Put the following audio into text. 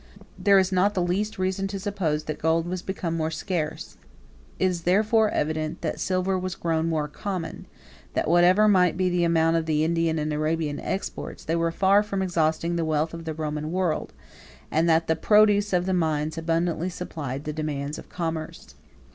108 There is not the least reason to suppose that gold was become more scarce; it is therefore evident that silver was grown more common; that whatever might be the amount of the Indian and Arabian exports, they were far from exhausting the wealth of the Roman world; and that the produce of the mines abundantly supplied the demands of commerce.